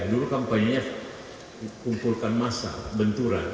dulu kampanye kumpulkan massa benturan